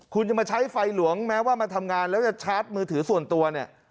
คุณจะมาใช้ไฟหลวงแม้ว่ามาทำงานแล้วจะชาร์จมือถือส่วนตัวเนี่ย